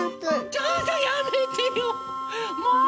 ちょっとやめてよもう！